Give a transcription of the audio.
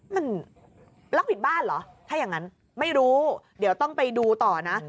มันล็อกผิดบ้านเหรอถ้าอย่างนั้นไม่รู้เดี๋ยวต้องไปดูต่อนะ